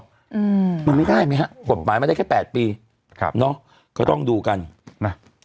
อืมมันไม่ได้ไหมฮะกฎหมายมันได้แค่แปดปีครับเนอะก็ต้องดูกันน่ะ